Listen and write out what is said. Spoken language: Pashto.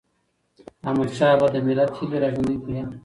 احمدشاه بابا د ملت هيلي را ژوندی کړي.